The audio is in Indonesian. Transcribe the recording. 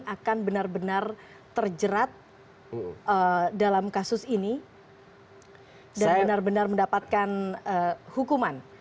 akan benar benar terjerat dalam kasus ini dan benar benar mendapatkan hukuman